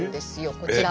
こちら。